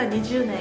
２０年！